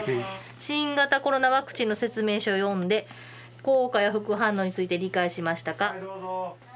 「新型コロナワクチンの説明書を読んで効果や副反応について理解しましたか」。